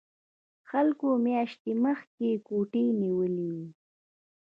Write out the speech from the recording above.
خلکو میاشتې مخکې کوټې نیولې وي